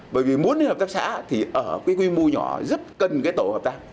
bởi vì muốn hợp tác xã thì ở quy mô nhỏ rất cần tổ hợp tác